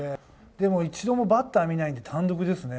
でも一度もバッター見ないで単独ですね。